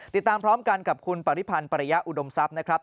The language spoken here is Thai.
ติดตามพร้อมกันกับคุณปริพันธ์ปริยะอุดมทรัพย์นะครับ